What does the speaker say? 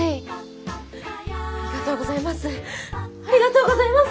ありがとうございます。